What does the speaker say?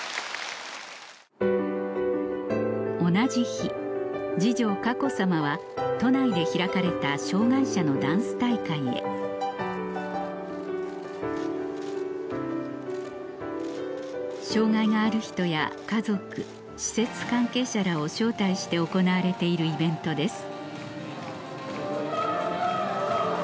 同じ日次女佳子さまは都内で開かれた障がい者のダンス大会へ障がいがある人や家族施設関係者らを招待して行われているイベントです